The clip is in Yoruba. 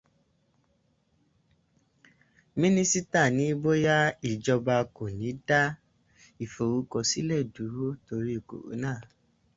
Mínísítà ní bó yá n'ìjọba kò ní dá ìforúkọsílẹ dúró tórí kòrónà.